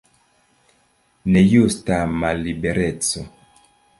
Nejusta mallibereco.